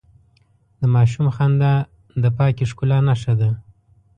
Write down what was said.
د ماشوم خندا د پاکې ښکلا نښه ده.